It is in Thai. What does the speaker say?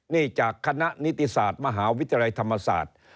นี่จากคณะนิติศาสตร์มหาวิทยาลัยธรรมศาสตร์